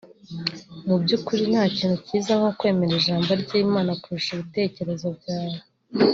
Mu by’ukuri nta kintu cyiza nko kwemera ijambo ry’Imana kurusha ibitekerezo byawe